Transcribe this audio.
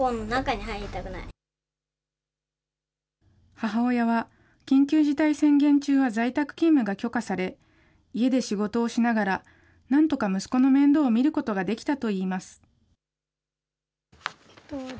母親は緊急事態宣言中は在宅勤務が許可され、家で仕事をしながら、なんとか息子の面倒を見ることができたといいます。